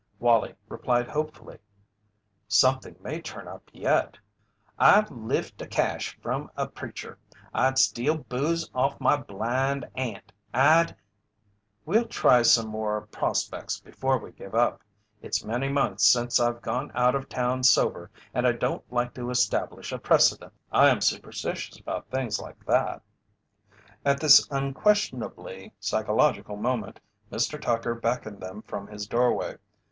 Wallie replied hopefully: "Something may turn up yet." "I'd lift a cache from a preacher! I'd steal booze off my blind aunt! I'd " "We'll try some more 'prospects' before we give up. It's many months since I've gone out of town sober and I don't like to establish a precedent. I'm superstitious about things like that," said Wallie. At this unquestionably psychological moment Mr. Tucker beckoned them from his doorway.